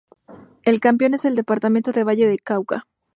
El campeón es el departamento de Valle del Cauca.